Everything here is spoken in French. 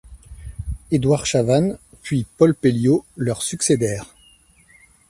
Édouard Chavannes puis Paul Pelliot leur succédèrent.